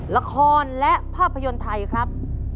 ละครและภาพยนตร์ไทยครับ